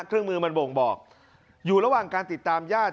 เครื่องมือมันบ่งบอกอยู่ระหว่างการติดตามญาติ